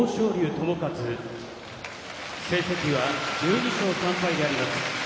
智勝成績は１２勝３敗であります。